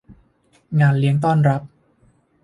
งานเลี้ยงต้อนรับ